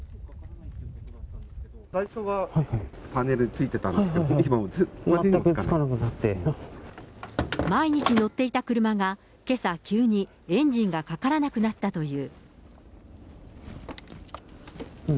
最初はパネルついてたんですけど、毎日乗っていた車がけさ、急にエンジンがかからなくなったという。